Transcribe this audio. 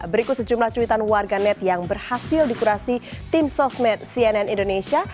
berikut sejumlah cuitan warganet yang berhasil dikurasi tim sosmed cnn indonesia